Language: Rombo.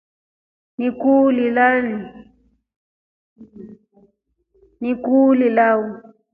Ni kuuli lau.